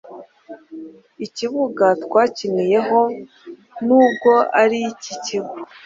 ikibuga twakiniyeho n'ubwo ari icy'ikigo